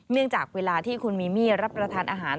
จากเวลาที่คุณมีมี่รับประทานอาหาร